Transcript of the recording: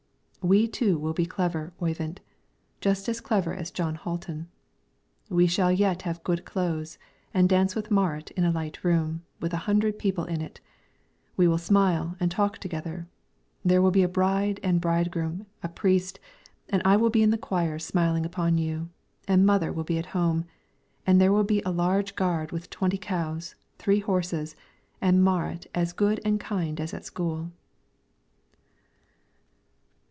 We two will be clever, Oyvind, just as clever as Jon Hatlen; we shall yet have good clothes, and dance with Marit in a light room, with a hundred people in it; we will smile and talk together; there will be a bride and bridegroom, a priest, and I will be in the choir smiling upon you, and mother will be at home, and there will be a large gard with twenty cows, three horses, and Marit as good and kind as at school."